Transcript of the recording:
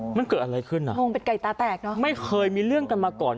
มันเกิดอะไรขึ้นอ่ะงงเป็นไก่ตาแตกเนอะไม่เคยมีเรื่องกันมาก่อน